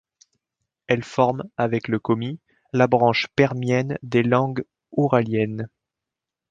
Elle forme, avec le komi, la branche permienne des langues ouraliennes.